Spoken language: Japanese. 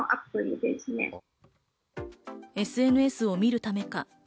ＳＮＳを見るためか